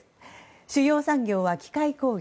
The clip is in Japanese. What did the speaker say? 主要産業は機械工業。